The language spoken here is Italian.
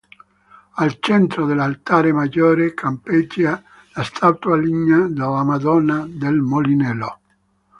Al centro dell'altare maggiore campeggia la statua lignea della Madonna del Molinello.